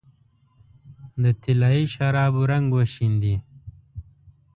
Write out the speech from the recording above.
د طلايي شرابو رنګ وشیندې